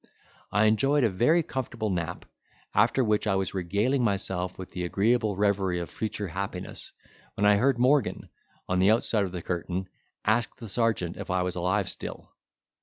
I enjoyed a very comfortable nap, after which I was regaling myself with the agreeable reverie of future happiness, when I heard Morgan, on the outside of the curtain, ask the sergeant if I was alive still?